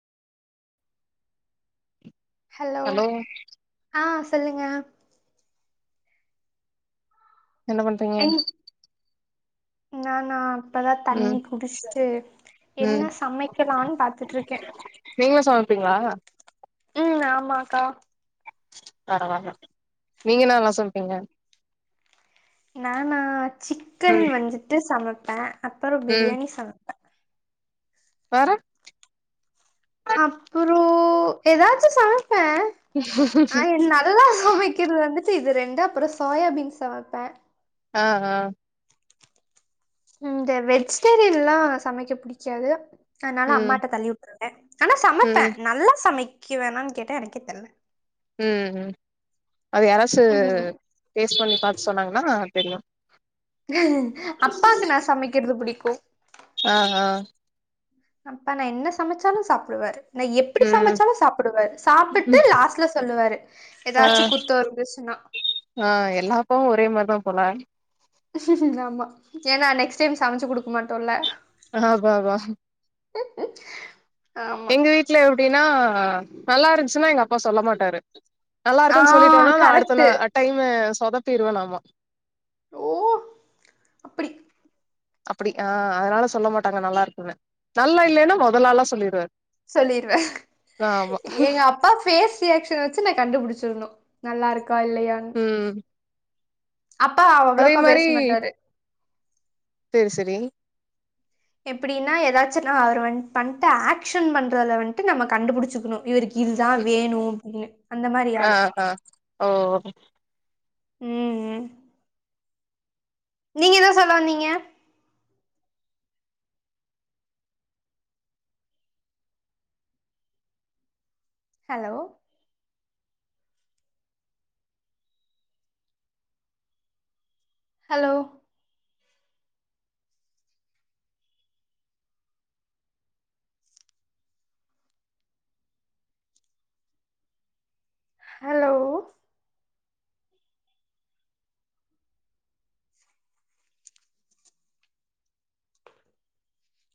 hello hello ஆ சொல்லுங்க என்ன பண்றீங்க என் நானா இப்பதான் ம் தண்ணி குடிச்ட்டு ம் என்ன சமைக்கலான்னு பாத்துட்ருக்கே நீங்க சமைப்பீங்ளா ம் ஆமாக்கா பரவால்ல நீங்க என்னல்லா சமைப்பீங்க நானா சிக்கன் ம் வந்துட்டு சமைப்பே அப்புற ம் பிரியாணி சமைப்பே வேற அப்புற எதாச்சு சமைப்பே ஆ நா நல்லா சமைக்கிறது வந்துட்டு இது ரெண்டு அப்புற சோயாபீன்ஸ் சமைப்பே ஆ ஆ இந்த வெஜிடேரியன்ல்லா சமைக்க பிடிக்காது அதனால ம் அம்மாட்ட தள்ளி விட்ருவே ஆனா சமைப்பேன் ம் நல்லா சமைக்குவேணான் கேட்டா எனக்கே தெர்ல உம் உம் அது யாரச்சு ம் டேஸ் பண்ணி பாத்து சொன்னாங்கன்னா தெரியு அப்பாக்கு நா சமைக்கிறது பிடிக்கும் ஆ ஆ அப்பா நா என்ன சமைச்சாலும் சாப்பிடுவாரு நா எப்டி ம் சமைச்சாலு சாப்பிடுவாரு சாப்பிட்டு லாஸ்ட்ல சொல்லுவாரு ஆ எதாச்சும் குத்தம் இருந்துச்சுன்னா ஆ எல்லா அப்பாவு ஒரே மாதிரிதா போல ஆமா ஏன்னா நெக்ஸ்ட் டைம் சமைச்சு குடுக்க மாட்டோம்ல்ல ஆ அதா அதா [inaudible] எங்க வீட்ல எப்படின்னா நல்லா இருந்துச்சுன்னா எங்க அப்பா சொல்ல மாட்டாரு நல்லா ஆ இருக்குன் சொல்லிட்டோனா நா கரெக்ட்டு அடுத்த டைம்மு சொதப்பீருவேனாம்மா ஓ அப்புடி அப்புடி ஆ அதனால சொல்லமாட்டாங்க நல்லா இருக்குன்னு நல்லா இல்லன்னா மொதல் ஆளா சொல்லிடுவாரு சொல்லிருவே ஏ அப் பா ஃபேஸ் ரியாக்ஷன் வச்சு நா கண்டுபிடிச்சிரனு நல்லா இருக்கா இல்லையானு ம் அப்ப அதே அவ்வளோக்கா மாரி பேசமாட்டாரு சேரி சேரி எப்படின்னா எதாச்சும் நா அவர் வந்து பண்ட்டு ஆக்ஷன் பண்ணுறத வண்ட்டு நம்ம கண்டுபிடிச்சுக்கணு இவருக்கு இது தா வேணு அப்படின்னு அந்த மாதிரி ஆளு ஆனா ஓ ம் நீங்க எதோ சொல்ல வந்தீங்க ஹலோ ஹலோ ஹலோ